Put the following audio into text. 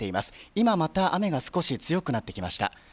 今また雨が少し強くなってきました。